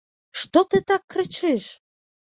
Што ты так крычыш?